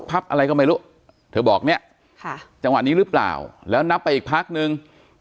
เอาเจ้าบอกเธอบอกนี้ค่ะจังหวะนี้หรือเปล่าแล้วนับไปอีกพักนึง